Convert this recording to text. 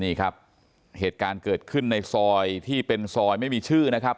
นี่ครับเหตุการณ์เกิดขึ้นในซอยที่เป็นซอยไม่มีชื่อนะครับ